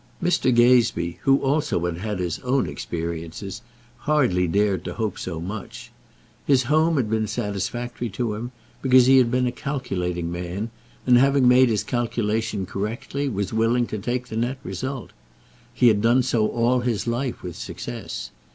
Mr. Gazebee, who also had had his own experiences, hardly dared to hope so much. His home had been satisfactory to him, because he had been a calculating man, and having made his calculation correctly was willing to take the net result. He had done so all his life with success.